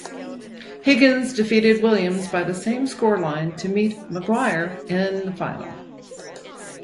Higgins defeated Williams by the same scoreline to meet Maguire in the final.